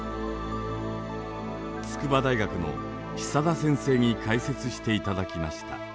筑波大学の久田先生に解説していただきました。